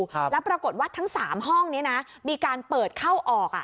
แล้วปรากฏว่าทั้งสามห้องนี้นะมีการเปิดเข้าออกอ่ะ